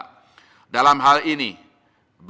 dalam hal ini bank indonesia berkomitmen untuk pendanaan apbn